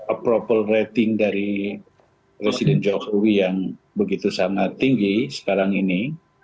approval rating dari presiden jokowi yang begitu sangat tinggi sekarang ini